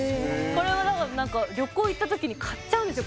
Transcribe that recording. これも何か旅行行った時に買っちゃうんですよ